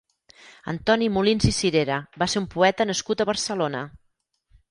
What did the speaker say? Antoni Molins i Sirera va ser un poeta nascut a Barcelona.